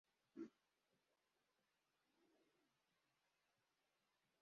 abakobwa babiri bicaye hasi